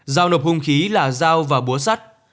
dao nộp hung khí là dao và búa sắt